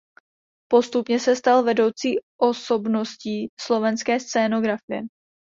Postupně se stal vedoucí osobností slovenské scénografie.